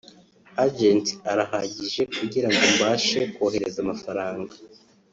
Agent arahagije kugira ngo mbashe kohereza amafaranga